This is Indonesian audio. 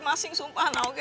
masih sumpah neng